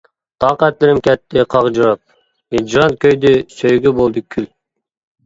تاقەتلىرىم كەتتى قاغجىراپ، ھىجران كۆيدى سۆيگۈ بولدى كۈل.